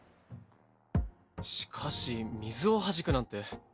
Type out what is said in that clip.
しかし水をはじくなんて。